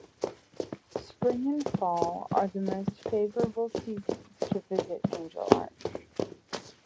Spring and fall are the most favorable seasons to visit Angel Arch.